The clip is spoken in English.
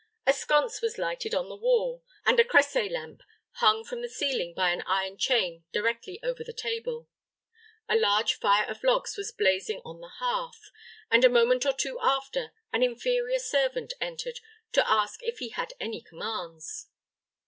A sconce was lighted on the wall, and a cresset, lamp hung from the ceiling by an iron chain directly over the table. A large fire of logs was blazing on the hearth; and, a moment or two after, an inferior servant entered to ask if he had any commands.